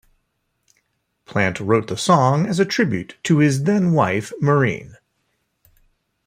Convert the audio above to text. Plant wrote the song as a tribute to his then-wife Maureen.